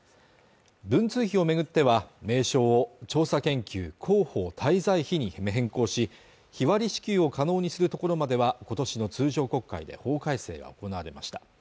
文通費をめぐっては名称を調査研究広報滞在費に変更し日割り支給を可能にするところまでは今年の通常国会で法改正が行われました